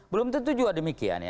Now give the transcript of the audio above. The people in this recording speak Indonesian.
belum tentu juga demikian